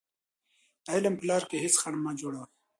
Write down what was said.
د علم په لاره کې هېڅ خنډ مه جوړوئ.